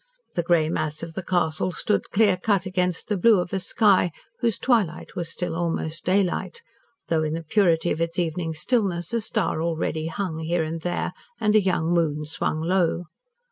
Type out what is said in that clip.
The grey mass of the castle stood clear cut against the blue of a sky whose twilight was still almost daylight, though in the purity of its evening stillness a star already hung, here and there, and a young moon swung low.